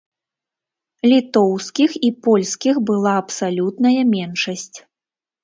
Літоўскіх і польскіх была абсалютная меншасць.